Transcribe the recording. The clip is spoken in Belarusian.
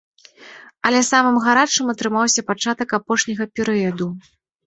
Але самым гарачым атрымаўся пачатак апошняга перыяду.